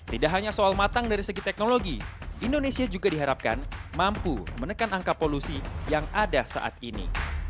tidak hanya soal matang dari segi teknologi indonesia juga diharapkan mampu menekan angka polusi yang ada saat ini